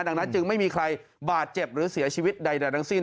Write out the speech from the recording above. ดังนั้นจึงไม่มีใครบาดเจ็บหรือเสียชีวิตใดทั้งสิ้น